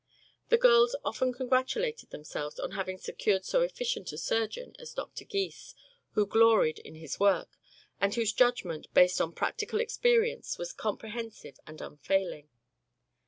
The girls often congratulated themselves on having secured so efficient a surgeon as Doctor Gys, who gloried in his work, and whose judgment, based on practical experience, was comprehensive and unfailing.